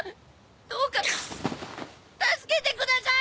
どうか助けてください！